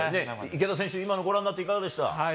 池田選手、今のご覧になっていかがでした？